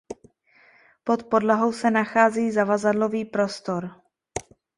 Pod podlahou se nachází zavazadlový prostor.